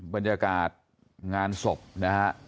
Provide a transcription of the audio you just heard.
บรรยากาศงานศกนะครับ